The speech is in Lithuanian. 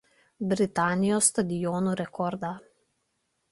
Britanijos stadionų rekordą.